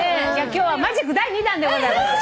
今日はマジック第２弾でございます。